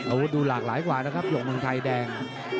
โอ้ดูหลากหลายกว่านะคะหยกมังไทยแดง